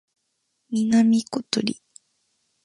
南ことり